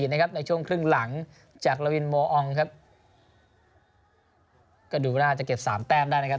นะครับในช่วงครึ่งหลังจากครับก็ดูน่าจะเก็บสามแต้มได้นะครับ